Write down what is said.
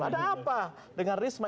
ada apa dengan risma